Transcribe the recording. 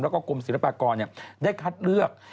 แล้วก็กรมศิลปากรได้คัดเลือก